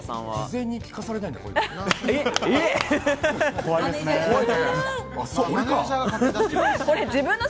事前に聞かされないんだ、こういうの。